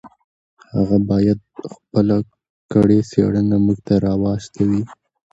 هغه باید خپله کړې څېړنه موږ ته راواستوي.